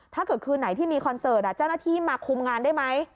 ถ้าเกิดคืนไหนที่มีคอนเสิร์ตเจ้าหน้าที่มาคุมงานได้ไหม